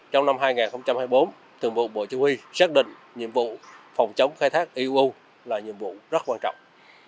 trong năm hai nghìn hai mươi bốn thượng vụ bộ chủ huy xác định nhiệm vụ phòng chống khai thác eu là nhiệm vụ rất quan trọng